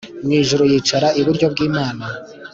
mu ijuru yicara iburyo bw Imana